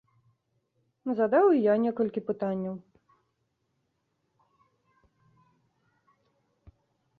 Задаў і я некалькі пытанняў.